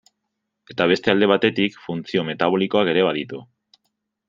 Eta beste alde batetik, funtzio metabolikoak ere baditu.